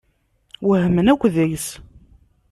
Wehmen akk deg-s.